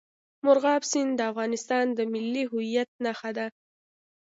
مورغاب سیند د افغانستان د ملي هویت نښه ده.